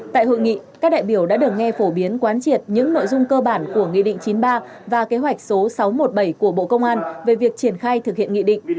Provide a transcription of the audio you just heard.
tại hội nghị các đại biểu đã được nghe phổ biến quán triệt những nội dung cơ bản của nghị định chín mươi ba và kế hoạch số sáu trăm một mươi bảy của bộ công an về việc triển khai thực hiện nghị định